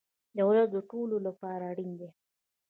دولت د ټولنو لپاره اړین دی.